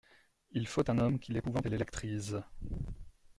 Il faut un homme qui l'épouvante et l'électrise.